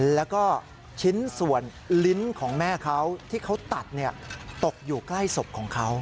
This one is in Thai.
แล้วก็ชิ้นส่วนลิ้นของแม่เขาที่เขาตัดตกอยู่ใกล้ศพของเขา